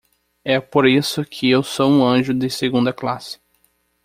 É por isso que eu sou um anjo de segunda classe.